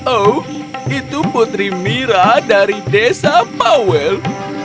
oh itu putri mira dari desa pawel